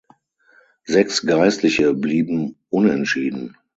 Sechs Geistliche blieben unentschieden.